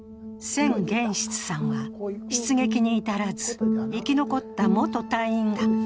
千玄室さんは、出撃に至らず生き残った元隊員だ。